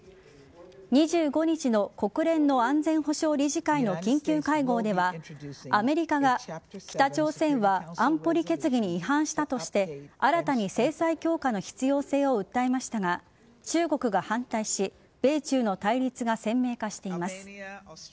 ２５日の国連の安全保障理事会の緊急会合ではアメリカが北朝鮮は安保理決議に違反したとして新たに制裁強化の必要性を訴えましたが中国が反対し米中の対立が鮮明化しています。